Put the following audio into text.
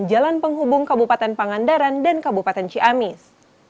jalan penghubung kabupaten pangandaran dan kabupaten ciamis